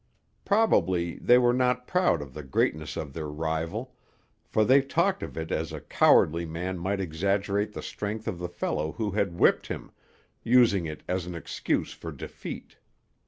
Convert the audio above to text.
Probably they were not proud of the greatness of their rival; for they talked of it as a cowardly man might exaggerate the strength of the fellow who had whipped him, using it as an excuse for defeat.